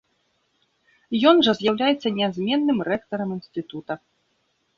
Ён жа з'яўляецца нязменным рэктарам інстытута.